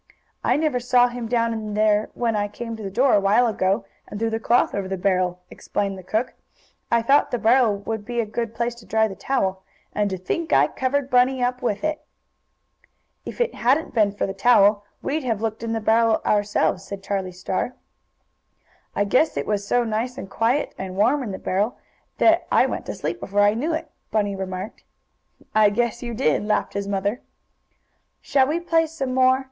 "I never saw him down in there when I came to the door a while ago, and threw the cloth over the barrel," explained the cook. "I thought the barrel would be a good place to dry the towel. And to think I covered Bunny up with it!" "If it hadn't been for the towel we'd have looked in the barrel ourselves," said Charlie Star. "I guess it was so nice and quiet and warm in the barrel that I went to sleep before I knew it," Bunny remarked. "I guess you did," laughed his mother. "Shall we play some more?"